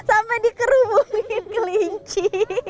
sampai dikerubungin kelinci